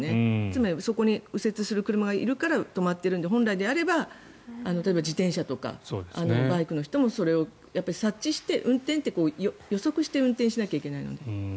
つまりそこに右折する車がいるから止まっているのであって本来であれば例えば自転車とかバイクの人もそれを察知して運転って、予測して運転しなきゃいけないので。